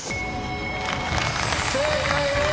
正解です！